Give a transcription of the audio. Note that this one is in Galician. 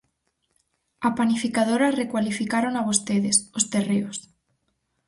A Panificadora recualificárona vostedes, os terreos.